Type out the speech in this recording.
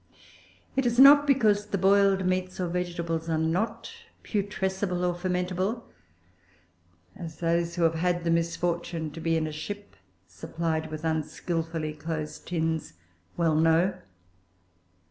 It is not because the boiled meats or vegetables are not putrescible or fermentable, as those who have had the misfortune to be in a ship supplied with unskilfully closed tins well know.